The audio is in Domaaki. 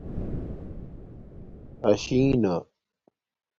آشی نہ